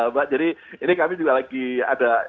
mbak jadi ini kami juga lagi ada